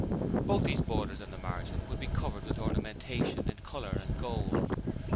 Both these borders and the margin would be covered with ornamentation in colour and gold.